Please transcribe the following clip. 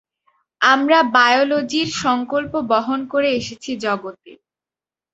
আমরা বায়োলজির সংকল্প বহন করে এসেছি জগতে।